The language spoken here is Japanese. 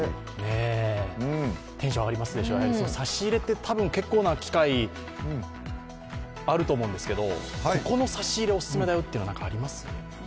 テンション上がりますでしょ差し入れって結構な機会あると思うんですけど、ここの差し入れお勧めだよというのはあります？